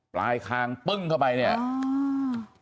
ปลายคางปึ้งเข้าไปเนี่ยอืม